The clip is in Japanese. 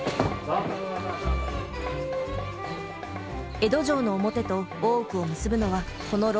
江戸城の表と大奥を結ぶのはこの廊下のみ。